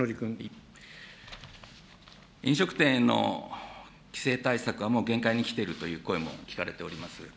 飲食店の規制対策はもう限界にきているという声も聞かれております。